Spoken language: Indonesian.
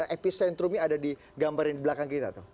epicentrumnya ada digambarin di belakang kita